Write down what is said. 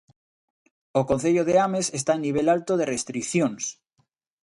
O concello de Ames está en nivel alto de restricións.